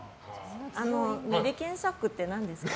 あのメリケンサックって何ですか？